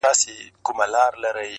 دې وې درد څۀ وي خفګان څۀ ته وایي,